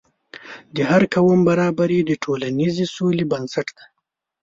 د هر قوم برابري د ټولنیزې سولې بنسټ دی.